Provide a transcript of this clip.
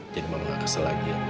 jadi mama nggak kesel lagi ya